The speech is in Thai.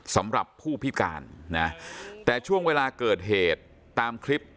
สำหรับผู้พิการนะแต่ช่วงเวลาเกิดเหตุตามคลิป